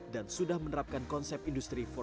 dan sudah menerapkan konsep industri empat